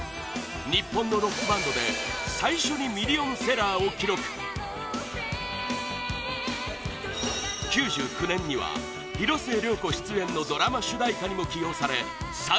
日本のロックバンドで最初にミリオンセラーを記録９９年には、広末涼子出演のドラマ主題歌にも起用され再